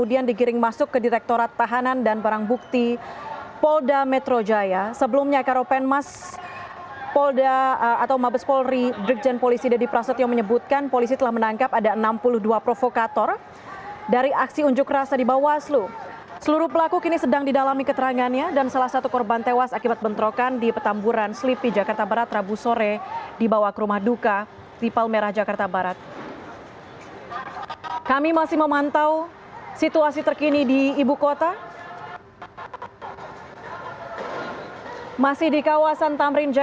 yang anda dengar saat ini sepertinya adalah ajakan untuk berjuang bersama kita untuk keadilan dan kebenaran saudara saudara